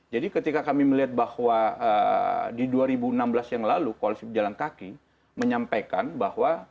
jadi ketika kami melihat bahwa di dua ribu enam belas yang lalu koalisi pejalan kaki menyampaikan bahwa